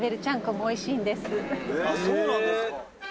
「そうなんですか」